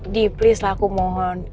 di please lah aku mohon